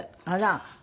あら。